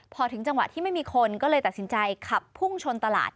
พอถึงจังหวะที่ไม่มีคนก็เลยตัดสินใจขับพุ่งชนตลาด